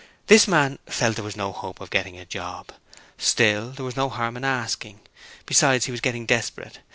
This man felt there was no hope of getting a job; still, there was no harm in asking. Besides, he was getting desperate.